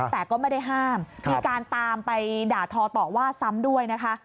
แต่ก็ไม่ได้ห้ามมีการตามไปด่าทอต่อว่าซ้ำด้วยนะคะ